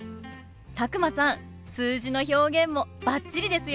佐久間さん数字の表現もバッチリですよ。